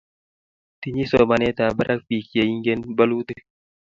tinyei somanetab barak biik che ingen bolutik